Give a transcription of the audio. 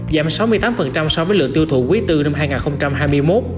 giảm sáu mươi tám so với lượng tiêu thụ quý tư năm hai nghìn hai mươi một